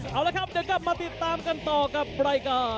เอาละครับเดี๋ยวกลับมาติดตามกันต่อกับรายการ